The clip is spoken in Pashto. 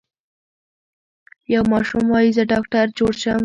یو ماشوم وايي زه ډاکټر جوړ شم.